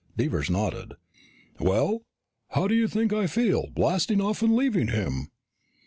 Devers nodded. "Well, how do you think I feel, blasting off and leaving him?"